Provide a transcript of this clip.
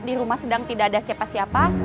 di rumah sedang tidak ada siapa siapa